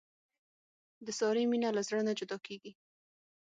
د سارې مینه له زړه نه جدا کېږي.